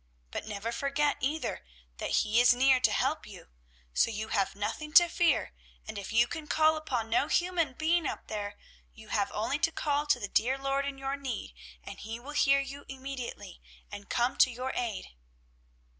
But never forget, either, that He is near to help you. So you have nothing to fear, and if you can call upon no human being up there, you have only to call to the dear Lord in your need, and He will hear you immediately and come to your aid."